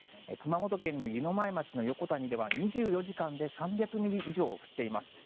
熊本県の湯前町の横谷では２４時間で３００ミリ以上降っています。